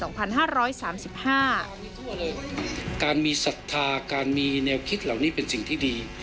การมีทั่วเลยการมีศรัทธาการมีแนวคิดเหล่านี้เป็นสิ่งที่ดี